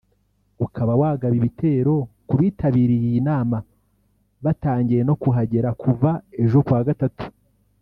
ukaba wagaba ibitero kubitabiriye iyi nama batangiye no kuhagera kuva ejo kuwa gatatu